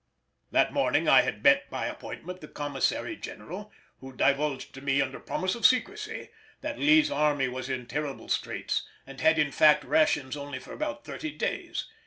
That morning I had met by appointment the Commissary General, who divulged to me under promise of secrecy that Lee's army was in terrible straits, and had in fact rations only for about thirty days.